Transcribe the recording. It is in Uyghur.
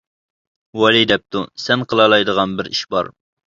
ۋەلى دەپتۇ: سەن قىلالايدىغان بىر ئىش بار.